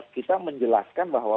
kita menjelaskan bahwa